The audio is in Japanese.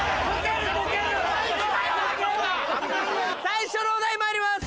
最初のお題まいります！